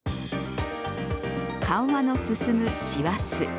緩和の進む師走。